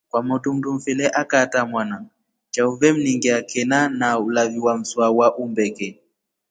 Kwamotu mndumfele akaatra mwana chao vemningia ken ana ulavi na mswa wa umbeke.